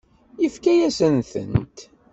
Yefka-yasent-tent.